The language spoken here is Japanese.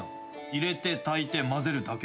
入れて炊いてまぜるだけ。